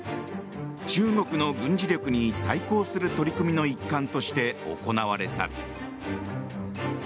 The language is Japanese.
中国の軍事力に対抗する取り組みの一環として行われた。